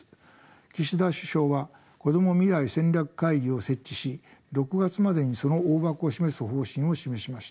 岸田首相はこども未来戦略会議を設置し６月までにその大枠を示す方針を示しました。